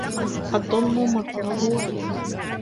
الظلم مرتعه وخيم